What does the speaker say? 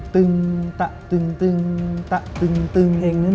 ตึงตะตึงตึงตะตึงตึง